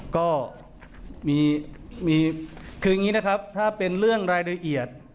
ก็คืออย่างนี้นะครับถ้าเป็นเรื่องรายละเอียด